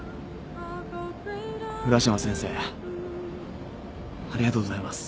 浦島先生ありがとうございます